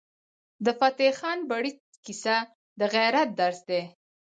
د فتح خان بړیڅ کیسه د غیرت درس دی.